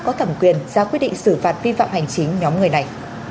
có thẩm quyền ra quyết định xử phạt vi phạm hành chính nhóm người này